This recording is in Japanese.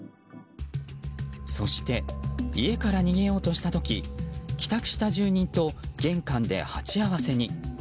そして家から逃げようとした時帰宅した住人と玄関で鉢合わせに。